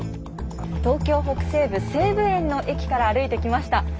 東京北西部西武園の駅から歩いてきました。